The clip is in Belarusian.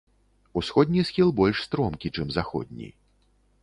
Усходні схіл больш стромкі, чым заходні.